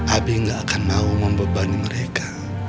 abi gak akan mau membebani mereka